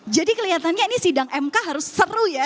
jadi kelihatannya ini sidang mk harus seru ya